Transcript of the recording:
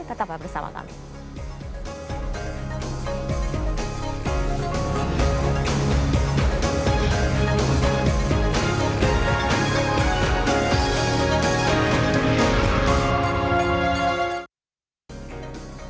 tetap bersama kami